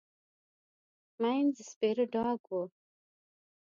مينځ سپيره ډاګ و.